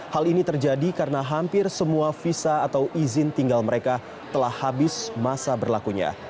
hal ini terjadi karena hampir semua visa atau izin tinggal mereka telah habis masa berlakunya